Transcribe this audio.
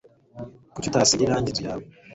Kuki utasiga irangi inzu yawe